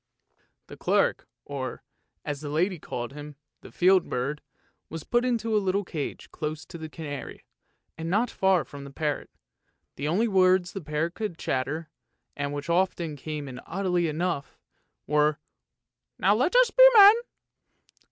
The clerk, or, as the lady called him, the field bird, was put into a little cage close to the canary, and not far from the parrot. The only words the parrot could chatter, and which often came in oddly enough, were, " Now let us be men!